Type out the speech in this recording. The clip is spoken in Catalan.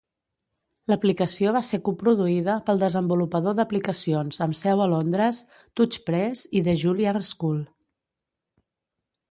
L'aplicació va ser coproduïda pel desenvolupador d'aplicacions amb seu a Londres Touchpress i The Juilliard School.